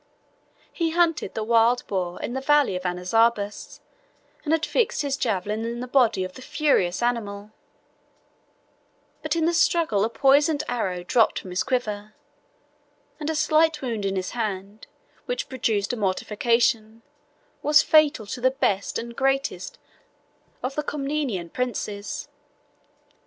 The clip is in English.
He hunted the wild boar in the valley of Anazarbus, and had fixed his javelin in the body of the furious animal; but in the struggle a poisoned arrow dropped from his quiver, and a slight wound in his hand, which produced a mortification, was fatal to the best and greatest of the Comnenian princes.